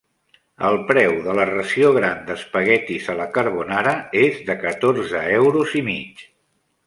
El preu de la ració gran d'espaguetis a la carbonara és de catorze euros i mig.